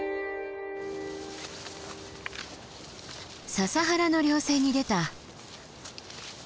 ササ原の稜線に出た。